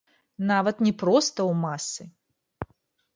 Нават не проста ў масы!